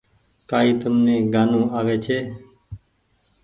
ڪآئي تم ني گآنو آوي ڇي۔